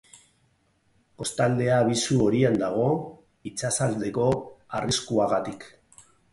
Kostaldea abisu horian dago, itsasaldeko arriskuagatik.